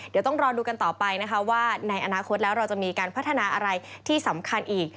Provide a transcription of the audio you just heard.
เดี๋ยวต้องรอดูกันต่อไปนะคะว่าในอนาคตแล้วเราจะมีการพัฒนาอะไรที่สำคัญอีก